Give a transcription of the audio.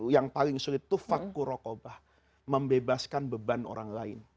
yang paling sulit itu membebaskan beban orang lain